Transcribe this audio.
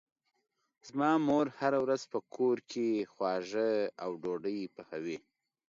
زما مور هره ورځ په کور کې خواږه او ډوډۍ پخوي.